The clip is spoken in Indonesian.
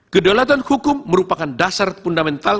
kedaulatan hukum merupakan dasar fundamental